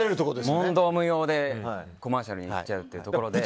問答無用でコマーシャルにいっちゃうというところで。